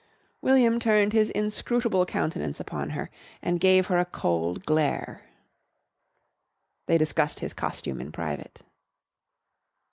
William turned his inscrutable countenance upon her and gave her a cold glare. They discussed his costume in private.